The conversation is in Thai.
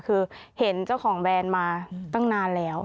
คือเห็นเจ้าของแบรนด์มาตั้งนานแล้ว